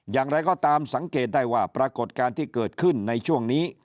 อย่างไรก็ตามสังเกตได้ว่าปรากฏการณ์ที่เกิดขึ้นในช่วงนี้